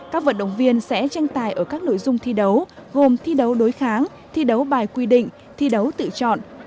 các vận động viên sẽ tranh tài ở các nội dung thi đấu gồm thi đấu đối kháng thi đấu bài quy định thi đấu tự chọn